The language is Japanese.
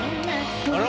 あら？